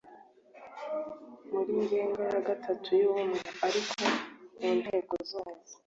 muri ngenga ya gatatu y’ubumwe ariko mu nteko zose